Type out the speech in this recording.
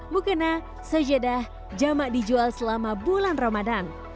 bukena sejadah jamak dijual selama bulan ramadhan